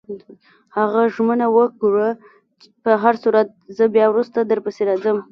هغه ژمنه وکړه: په هرصورت، زه بیا وروسته درپسې راځم.